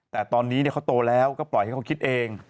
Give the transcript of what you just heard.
แต่ตอนนี้เขาโตแล้วก็ปล่อยให้เขาคิดเอง